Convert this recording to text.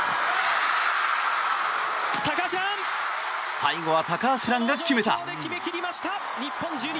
最後は高橋藍が決めた。